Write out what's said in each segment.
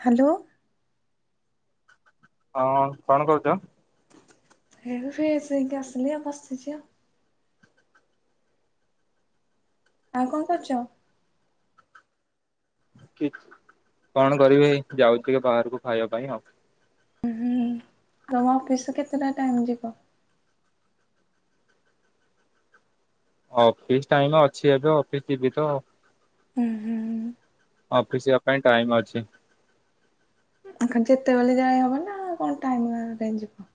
Hello. ହଁ କଣ କହୁଛ? ଏ ଫେ ସେ ହେଇକି ଆସିଲିଆ ବସିଛି ଆ ଆଉ କଣ କରୁଛ? କି କଣ କରିବି ଯାଉଛି ବାହାରକୁ ଖାଇବା ପାଇଁ ଆଉ । ଆଉ ମୋ ଅଫିସ କେତେଟା ଟାଇମ ଯିବ । ଅଫିସ ଟାଇମ ଅଛି ଏବେ ଅଫିସ ଯିବି ତ ହୁଁ ହୁଁ । ଅଫିସିବା ପାଇଁ ଟାଇମ ଅଛି । ଯେତେବେଳେ ଯାଏ ହବ ନା କଣ ଟାଇମରେ ଯିବ ।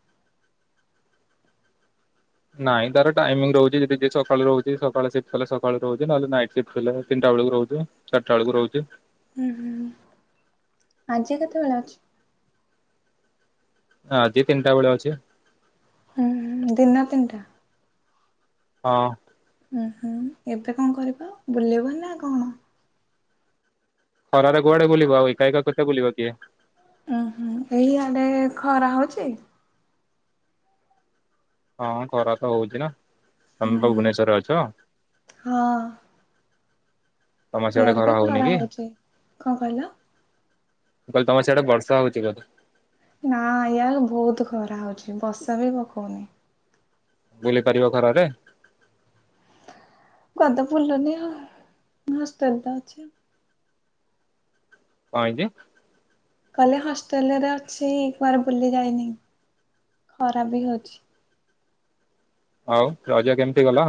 ନାଇଁ ତାର ଟାଇମିଙ୍ଗ ରହୁଛି ଯଦି ଯି ସକାଳୁ ରହୁଛି ସକାଳେ ସି୍ଟ ହେଲେ ସକାଳୁ ରହୁଛି ନହେଲେ ନାଇଟ ସି୍ଟ ହେଲେ ତିନିଟା ବେଳକୁ ରହୁଛି ଚାରିଟା ବେଳକୁ ରହୁଛି । ହୁଁ ହୁଁ ଆଜି କେତେବେଳେ ଅଛି? ଆଜି ତିନିଟା ବେଳେ ଅଛି । ହୁଁ ଦିନ ତିନିଟା । ହଁ । ଉ ହୁଁ ଏବେ କଣ କରିବା ବୁଲେଇବ ନା କଣ? ହରା ରେ କୁଆଡେ ବୁ ଏକା କା କତେ ବୁଲିବ କିଏ? ଉ ହୁଁ ଏଇଆଡେ ଖରା ହଉଚି । ହଁ ଖରା ତ ହଉଛି ନା । ତମେ ଭୁବନେଶ୍ଵର ଅଛ । ୟାଡେ ବି ଖରା ମୁଁ ହଉଛି କଣ କହିଲ କହିଲି ତମର ସିଆଡେ ବର୍ଷା ହଉଛି ବୋଧେ। ନା ୟା ବହୁତ ଖରା ହଉଛି ବର୍ଷା ବି ପକଉନି। ବୁଲି ପାରିବ ଖରା ରେ। [unintelligible] କଁ ହେଇଛି କହିଲେ ହଷ୍ଟେଲ ରେ ଅଛି କୁଆଡେ ତ ବୁଲି ଯାଇନି ଖରା ବି ହଉଛି। ଆଉ ରଜା କେମିତି ଗଲା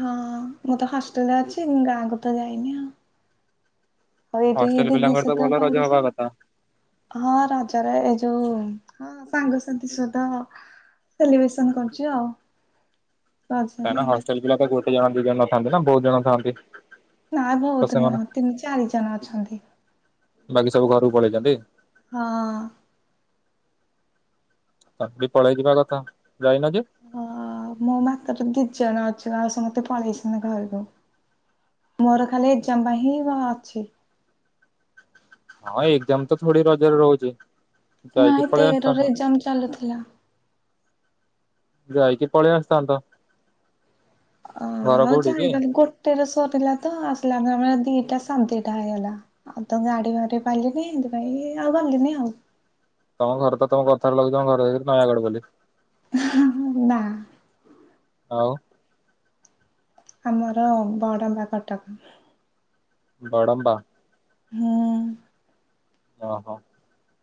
ହଁ ମୁଁ ତ ହଷ୍ଟେଲ ରେ ଅଛି ମୁ ଗାଁ କୁ ତ ଯାଇନି ଆଉ [unintelligible] ହ ହଷ୍ଟେଲ ସାଙ୍ଗସାଥି ପିଲାଙ୍କର ତ ଭଲ ରଜ ହବା କଥା ସହିତ ସେଲିବ୍ରେସନ୍ କରୁଛି ଆଉ ରଜରେ କାଇଁନା ଆଉ। ହଷ୍ଟେଲ ପିଲାତ ବହୁତ ଦିଇଜଣ ପିଲା ନଥାନ୍ତି ନା ବହୁତ ଜଣ ଥାନ୍ତି। ନା ତ ବହୁତ ସେମାନେ ନୁହଁ ତିନି ଚାରି ଜଣ ଅଛନ୍ତି। ବାକି ସବୁ ଘରକୁ ପଳେଇଚନ୍ତି ହଁ। ତମେ ବି ପଳେଇଯିବା କଥା ଯାଇନ ଯେ ହଁ ମୋ ମାତର ଦିଇ ଜଣ ଅ ସମତେ ପଲେଇଚନ୍ତି ଘର କୁ ମୋର ଖାଲି ଏ ଏକ୍ସାମ ପାଇଁ ହିଁ ମୁ ଅଛି। ହଁ ଏକ୍ସାମ ତ ଥୋଡ଼ି ରଜ ରେ ରହୁଛି। ଯାଇକି ନାଇଁ ପଳେଇ ଆସିଥାନ୍ତ ତେରରେ ଏକ୍ସାମ୍ ଚାଲୁଥିଲା। ଯାଇକି ପଳେଇ ଆସିଥାନ୍ତ। [unintelligible] ଘର ଦିଟା କୋଉଠି କି? ସାଢେଦିଟା ହେଇଗଲା ଆଉ ତ ଗାଡି ବାଡ଼ି ପାଇଲିନି ଏଥିପାଇଁ ଆଉ ଗଲିନି ଆଉ। ତମ ଘର ତ ତମ କଥାରୁ ଲାଗୁଛି ତମ ଘର ଯେମିତି ନୟାଗଡ଼ ବୋଲି। ନା ହଉ ଆମର ବଡମ୍ବା କଟକ। ବଡ଼ମ୍ବା। ହୁଁ। ଓ ହୋ।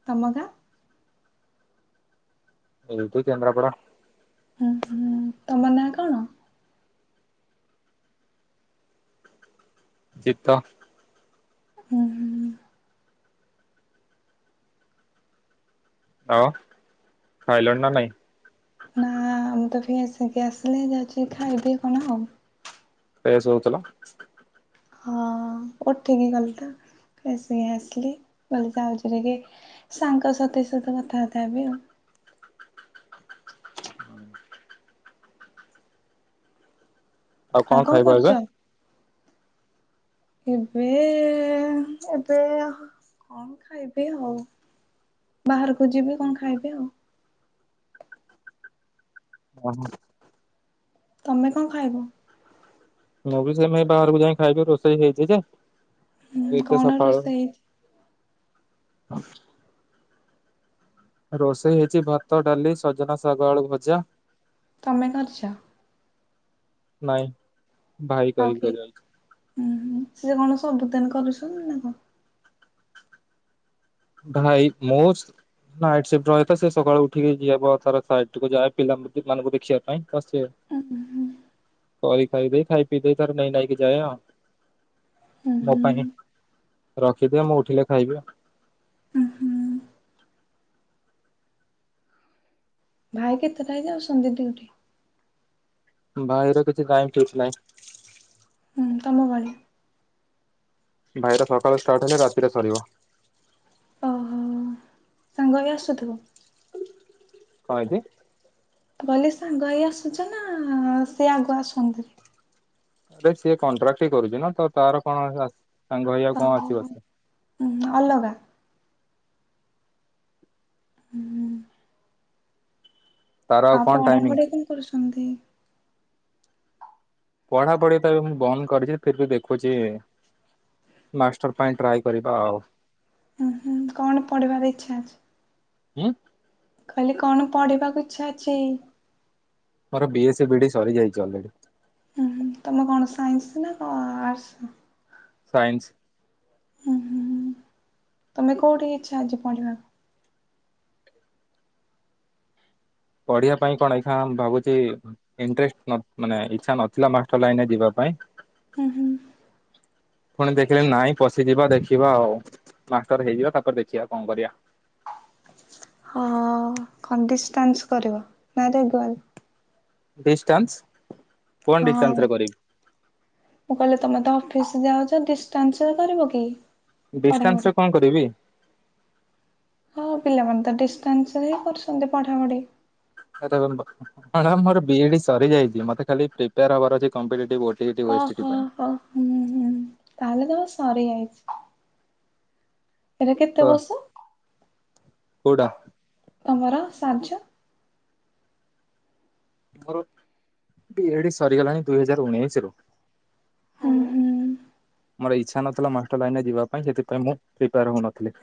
ତମ ଗାଁ? ଏଇଠୁ କେନ୍ଦ୍ରାପଡ଼ା ହୁଁ ହୁଁ ତମ ନାଁ କଣ? ଜିିତ। ହୁଁ ହୁଁ। ହଁ ଖାଇଲଣି ନା ନାଇଁ? ନା ଆମ ତ [unintelligible] ଆସିଲି ଯାଉଛି ଖାଇବି କଣ । ଫ୍ରେସ୍ ହଉଥିଲ ହଁ ଉଠିକି ଗଲି ତ ଫ୍ରେସ୍ ହେଇ ଆସିଲି କହିଲି ଯାଉଛି ଟିକେ ସାଙ୍ଗ ସାଥି ସହିତ କଥାବାର୍ତ୍ତା ହେବି ଆଉ। ଆଉ କଣ ଖାଇବ ଏବେ? ଏବେ ଏବେ କଣ ଖାଇବି ଆଉ ବାହାରକୁ ଯିବି କଣ ଖାଇବି ଆଉ। [unintelligible] ତମେ କଣ ଖାଇବ? ମୁଁ ବି ସେଇପାଇଁ ବାହାରକୁ ଯାଇ ଖାଇବି। ରୋଷେଇ ହେଇଛି ଯେ ଆଉ ହୁଁ ଏତେ କଣ ସକାଳୁ ରୋଷେଇ ହେଇଛି? [inaudible] ରୋଷେଇ ହେଇଛି ଭାତ ଡାଲି ସଜନା ଶାଗ ଆଳୁ ଭଜା ତମେ କରିଛ? ନାଇଁ। ଭାଇକି ଆଉ କହିବି କିଏ? କରିବାକୁ। ହୁଁ ହୁ ସିଏ କଣ ସବୁଦିନ କରୁଛନ୍ତି ନା କଣ? ଭାଇ ମୁଁ ନାଇଟସିପ୍ଟ ରହେଥା ସେ ସକାଳୁ ଉଠିକି ଯବ ତାର ସାଇଟି କୁ ଯାଏ ପିଲା ମାନଙ୍କୁ ଦେଖିବା ପାଇଁ। ଆ ଉଁ ହୁଁ କରି ଖାଇ ଦେଇ ଖାଇ ପିଇ ଦେଇ ତାର ନେଇ ନେଇାଇକି ଯାଏ ଆଉ। ଉଁ ମୋ ହୁଁ ପାଇଁ ରଖିଦିଏ ମୁଁ ଉଠିଲେ ଖାଇବି ଆଉ। ଉଁ ହୁଁ। ଭାଇ କେତେଟାରେ ଯାଉଛନ୍ତି ଡିଉଟି? ଭାଇର କିଛି ଟାଇମ ଠିକ୍ ନାହିଁ। ହୁଁ ତମ ଭଳି। ଭାଇ ର ସକାଳୁ ଷ୍ଟାର୍ଟ ହେଲେ ରାତିରେ ସରିବ। ଓହୋ। ସାଙ୍ଗ ବି ଆସୁଥୁବ। କଣ ହେଇଚି? ମୁଁ କହିଲି ସାଙ୍ଗ ହେଇ ଆସୁଛ ନା ସେ ଆଗ ଆସନ୍ତି। ଦେଖ ସିଏ କଣ୍ଟ୍ରାକ୍ଟ କରୁଛି ନା। ତ ତାର କଣ ସାଙ୍ଗ ହେଇ ଆଉ କଣ ହଁ ଆସିବ ଉଁ ସେ ହୁଁ ଅଲଗା। ହୁଁ। ତାର ଆଉ କଣ ପଢା ଟାଇମିଂ ପଢି କଣ କରୁଛ ଛନ୍ତି। ପଢାପଢି ତ ଏବେ ମୁଁ ବନ୍ଦ କରିଛି ଫେରେବି ଦେଖୁଛି ମାଷ୍ଟର ପାଇଁ ଟ୍ରାଏ କରିବା ଆଉ। ହୁଁ ହୁଁ କଣ ପଢିବାର ଇଛା ଅଛି। ଉଁ। କହିଲି କଣ ପଢିବାକୁ ଇଚ୍ଛା ଅଛି। ମୋର ବିଏସି ବିଡି ସରିଯାଇଛି ଅଲରେଡି। ହୁଁ ହୁ ତମେ କଣ ସାଇନ୍ସ ନା କଣ ଆର୍ଟସ। ସାଇନ୍ସ୍। ହୁଁ ହୁଁ ହୁଁ ତମେ କୋଉଠି ଇଚ୍ଛା ଅଛି ପଢିବାକୁ। ପଢିବା ପାଇଁ କଣ ଇଛା ଭାବୁଛି ଇନଟ୍ରେଷ୍ଟ ନ ମାନେ ଇଛା ନଥିଲା ମାଷ୍ଟର ଲାଇନରେ ଯିବା ପାଇଁ ହୁଁ ହୁଁ ପୁଣି ଦେଖିଲେ ନାଇଁ ପଶିଯିବା ଦେଖିବା ଆଉ ମାଷ୍ଟର ହେଇଯିବା ତାପରେ ଦେଖିବା କଣ କରିବା। ହଁ ଖଡି ଡିଷ୍ଟାନ୍ସ କରିବ ନାଇଁ ରେଗୁଲାର। ଡିଷ୍ଟାନ୍ସ। କଣ ହଁ ଡିଷ୍ଟାନ୍ସ ରେ କରିବି ମୁଁ କହିଲେ ତମେ ତ ଅଫିସ୍ ଯାଉଛ ଡିଷ୍ଟାନ୍ସ କରିବ କି। ଡିଷ୍ଟାନ୍ସ ପଢାପଢି? ରେ କଣ କରିବି। ହଁ ପିଲାମାନେ ତ ଡିଷ୍ଟାନ୍ସରେ ହିଁ କରୁଛନ୍ତି ପଢାପଢି। ମୋର ବିଇଡି ସରିଯାଇଛି ମତେ ଖାଲି ପ୍ରିପେୟାର ହବାର ଅଛି କମ୍ପିଟିଟିବି ଓ ଓ ହୋ ହ ହୁଁ ହୁଁ ତାହେଲେ ତମେ ସରିଯାଇଛି। ଏରା ତ କେତେ ବର୍ଷ। କୋଉଟା ତମର ସାର୍ଜ। ମୋର ବି ଏ ଡି ସରିଗଲାଣି ଦୁଇ ହଜାର ଉଣେଇଶିରୁ। ହୁଁ ହୁଁ। ମୋର ଇଚ୍ଛା ନଥିଲା ମାଷ୍ଟର ଲାଇନ ରେ ଯିବା ପାଇଁ ସେଥିପାଇଁ ମୁଁ ପ୍ରିପେୟାର ହଉନଥିଲି।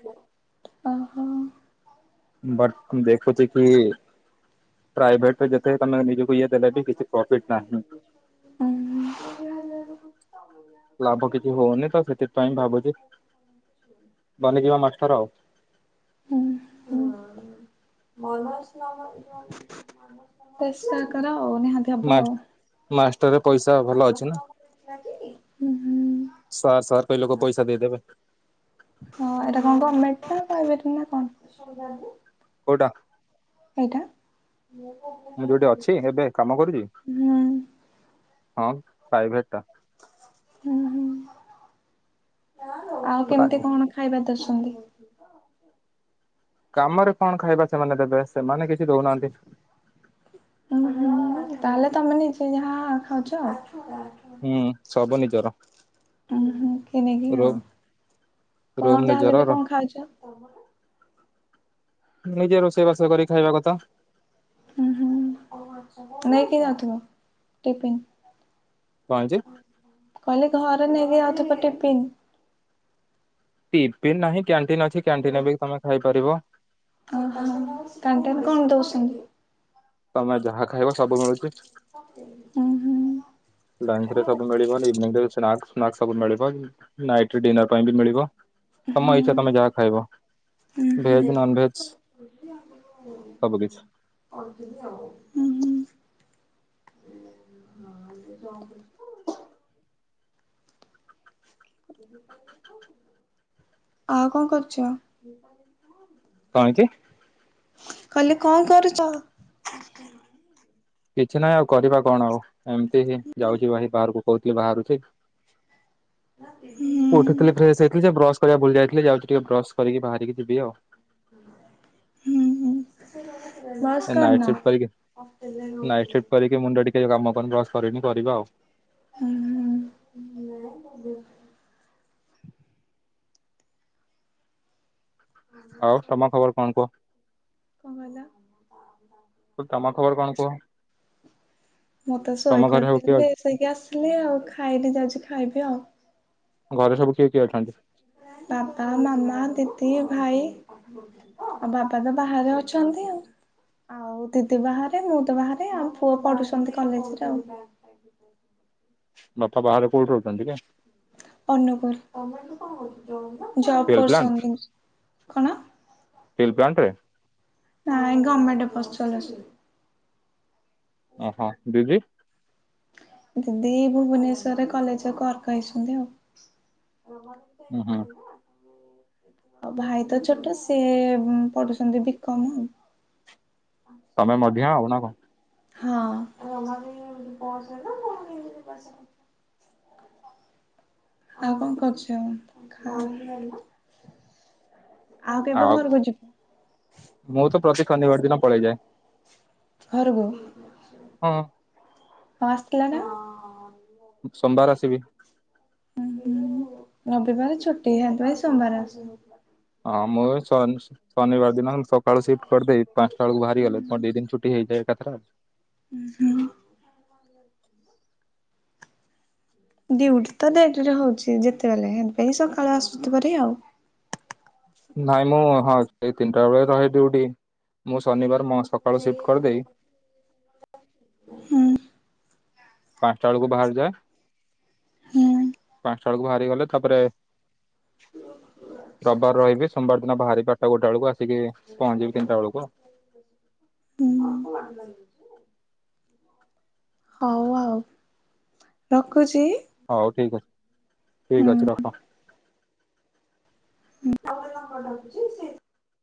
ଓହୋ। ବଟ୍ ଦେ ଖୋଯିକି ପ୍ରାଇଭେଟ୍ ରେ ଯେତେ ତମେ ନିଜକୁ ଇଏ ଦେଲେ ବି କିଛି ପ୍ରଫିଟ୍ ନାହିଁ। ହୁଁ ଲାଭ କିଛି ହଉନି ତ ସେଥିପାଇଁ ଭାବୁଛି ବନିଯିବା ମାଷ୍ଟର ଆଉ। ନମସ୍କାରେ ମାଡାମ୍ କୁହନ୍ତୁ ତେସ୍ନା କର ଆଉ ନିହାତି ହବ ମା ଆଉ ମାଷ୍ଟର ପଇସା ଭଲ ଅଛି ନା ହୁଁ ହୁଁ ସାର୍ ସାର୍ କହିଲୋକ ପଇସା ଦେଇଦେବେ। ହଁ ଏଇଟା କଣ ଗମେଣ୍ଟ ନା ପ୍ରାଇଭେଟ୍ ନା କଣ [unintelligible] କୋଉଟା ଏଇଟା ମୂ ଯୋଉଠି ଅଛି ଏବେ କାମ କରୁ [unintelligible] ହୁଁ ହଁ ପ୍ରାଇଭେଟ୍ ଟା। ହୁଁ ହୁଁ। ଆଉ ଟା କେମିତି କଣ ଖାଇବା ଦୋଷ ଏମିତି ହଉଚି ତ ଆଉ କାମରେ କଣ ଖାଇବା ସେମାନେ ଦେବେ ସେମାନେ କିଛି ଦଉନାହାନ୍ତି। ଉଁ ହୁଁ ତାହେଲେ ତମେ ନିଜେ ଯାହା ଖାଉଛ ଆଉ ହୁଁ। ଅଧା ନିଜର। ଉ ହୁଁ କିଣିକି ଆଉ ରୁମ୍ କଣ ରୁମ୍ ଯାହାହେଲେ ନିଜର ବି କଣ ଖାଇ ଛ? ନିଜେ ରୋଷେଇ ରୋଷେଇ କରିକି ଖାଇବା କଥା। [inaudible] ହୁଁ ହୁଁ ନେଇକି ଯାଉଥିବ ଟିଫିନ ପାଞ୍ଚ କହିଲେ ଘରେ ନେଇକି ଅଥିବ ଟିଫିନ ଟିପିନ ନାହିଁ। କ୍ୟାଣ୍ଟିନ ଅଛି କ୍ୟାଣ୍ଟିନ ବି ତମେ ଖାଇପାରିବ। ଓହୋ କ୍ୟାଣ୍ଟିନ କଣ ଦଉଛନ୍ତି। ତମେ ଯାହା ଖାଇବ ସବୁ ମିଳୁଚି? ହୁଁ ହୁଁ [unintelligible] ସବୁ ମିଳିବ ନାଇଟ ଡିନର ପାଇଁ ବି ମିଳିବ। ହୁଁ ତମ ଇଚଛା ତମେ ଯାହା ଖାଇବ ହୁଁ ହୁଁ। ଭେଜ ନନ ଭେଜ ସବୁ କିଛି। ହୁଁ ହୁଁ [inaudible] [unintelligible] [inaudible] ଆଉ କଣ କରୁଛ? କାହିଁକି? କହିଲେ କଣ କରୁଚ? କିଛି ନହିଁ ଆଉ କରିବା କଣ ଆଉ ଏମିତି ଯାଉଛି ବାହାରକୁ କହୁଥିଲି ବାହାରୁଛି ହୁଁ ଉଠିଥିଲି ଫ୍ରେଶ ହେଇଥିଲି ଯେ ବ୍ର କରିବା ଭୁଲି ଯାଇଥିଲି ଯାଉଛି ଟିକେ ବ୍ରସ୍ କରିକି ବାହାରିକି ଯିବି ଆଉ ହୁଁ। ବସ ନାଇଟ କରିନ ସିଫ୍ଟ କରିକି କି କାମ କରିନି ବ୍ରସ କରିନି କରିବା ଆଉ ଉଁ ହୁଁ।। [inaudible] ଆଉ ତମ ଖବର କଣ କଣ କହିଲ? କୁହ ତମ ଖବର କଣ କ କୂଅ ମୁତେ ସବୁ କିଏ ଶୋଇକଥିଲିସଇକି ଆସିଲି ଆଉ ଖାଇକି ଯାଉଛି ଖାଇବି ଆଉ। ଘରେ ସବୁ କିଏ କିଏ ଅଛନ୍ତି? ବାପା ମାମା ଦିଦି ଭାଇ ଆଉ ବାପ ତ ବାହାରେ ଅଛନ୍ତି ଆ ଆଉ ଦିଦି ବାହାରେ ମୁଁ ତ ବାହାରେ ଆଉ ପୁଅ ପଢୁଛନ୍ତି କଲେଜରେ ଆଉ। ବାପା ବାହାରେ କଉଠି ରହୁଛନ୍ତି। ଅନୁକୁର ଜବ୍ ଷ୍ଟିଲ୍ ପ୍ଲାଣ୍ଟ କରୁସଛନ୍ତି କଣ ଷ୍ଟିଲ୍ ପ୍ଲାଣ୍ଟ ରେ ନାଁଇ ଗମେଣ୍ଟ୍ [unintelligible] ଓହୋ ଦିଦି ଦିଦି ଭୁବନେଶ୍ୱର କଲେଜ କର୍କ ହେଇଛନ୍ତି ଆଉ ହଁ ହଁ। ଭାଇ ତ ଛୋଟ ସିଏ ପଢୁ଼ଛନ୍ତି ବିକମ ତମେ ମଝିଆ ଆଉ ନା କଣ? ହଁ ଆଉ କଣ କରୁଛ। ଆଉ କେବେ ଘରକୁ ଯି ମୁଁ ତ ପ୍ରତି କନିବାର ଦିନ ପଳେଇଯାଏ। ଘରୁ କୁ ହଁ। ହଁ ଆସିଥିଲା ନା [inaudible] ସୋମବାର ଆସିବି ଉ ହୁଁ ରବିବାର ଛୁଟି [unintelligible] ସେଥିପାଇଁ ସୋମବାର ଆସି ହଁ ମୁଁ ଶନ୍ ଶନିବାର ଦିନ ସକାଳୁ ସିଫ୍ଟ୍ କରିଦେବି ପାଞ୍ଚଟା ବେଳକୁ ବାହାରିଗଲେ ମୋର ଦି ଦିନ ଛୁଟି ହେଇଯାଏ। କେତେ ହୁଁ। ଡିଉଟି ତ [unintelligible] ରେ ହଉଛି ଯେତେବେଳେ ହେଥିପାଇଁ ସକାଳୁ ଆସୁ [unintelligible] ଆଉ ନାଇଁ ମୁଁ ହଁ ସେଇ ତିନିଟା ବେଳେ ରହେ ଡ୍ୟୁଟି ମୁଁ ଶନିବାର ମୋ ସକାଳୁ ସିଫ୍ଟ୍ କରିଦେଇ ହୁଁ ପାଞ୍ଚଟା ବେଳକୁ ବାହାରିଯାଏ ହୁଁ ପାଁଞ୍ଚଟା ବେଳକୁ ବାହାରି ଗଲେ ତାପରେ ରବିବାର ରହିବି ସୋମବାର ଦିନ ବାହାରି ବାରଟା ଗୋଟେ ବେଳକୁ ଆସ୍ [unintelligible] ପହଞ୍ଚିବି ତିନିଟା ବେଳକୁ। ହୁଁ ହଉ ଆଉ ରଖ। ହଉ ଠିକ୍ ଅଚ୍ ଠିକ୍ ହୁଁ। ଅଛି ରଖ। [unintelligible]